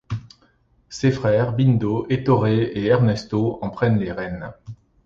Ses frères, Bindo, Ettore et Ernesto en prennent les rênes.